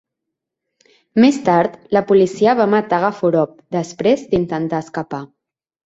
Més tard la policia va matar Gafurov després d'intentar escapar.